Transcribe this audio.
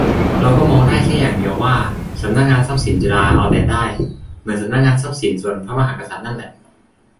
เราก็มองได้แค่อย่างเดียว ว่าสนง.ทรัพย์สินจุฬาเอาแต่ได้ เหมือนสนง.ทรัพย์สินส่วนพระมหากษัตริย์นั่นแหละ